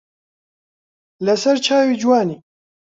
لە سەر چاوی جوانی